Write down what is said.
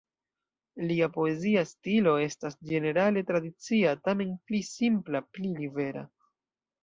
Lia poezia stilo estas ĝenerale tradicia, tamen pli simpla, pli libera.